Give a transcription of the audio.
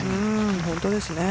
本当ですね。